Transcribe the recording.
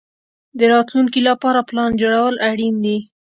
د راتلونکي لپاره پلان جوړول اړین دي.